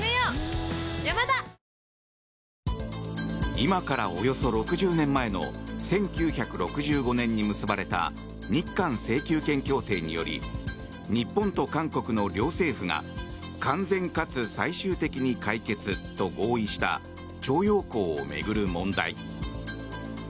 今からおよそ６０年前の１９６５年に結ばれた日韓請求権協定により日本と韓国の両政府が完全かつ最終的に解決と合意した徴用工を巡る問題。